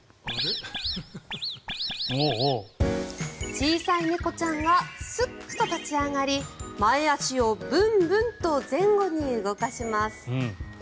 小さい猫ちゃんがすっと立ち上がり前足をブンブンと前後に動かします。